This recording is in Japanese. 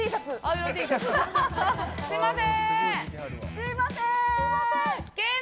すみません！